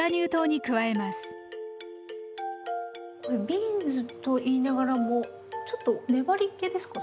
ビーンズといいながらもちょっと粘りけですか？